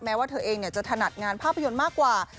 ว่าเธอเองจะถนัดงานภาพยนตร์มากกว่า